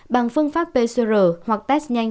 bằng phương pháp pcr hoặc test nhanh